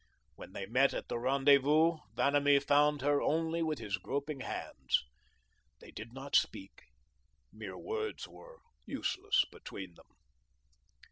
When they met at the rendezvous, Vanamee found her only with his groping hands. They did not speak, mere words were useless between them.